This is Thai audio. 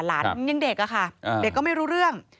หลานยังเด็กอะค่ะเด็กก็ไม่รู้เรื่อง